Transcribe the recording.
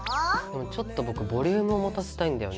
ちょっと僕ボリュームをもたせたいんだよね。